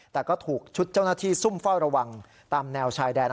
แต่ก็ถูกชุดเจ้าหน้าที่ซุ่มเฝ้าระวังตามแนวชายแดน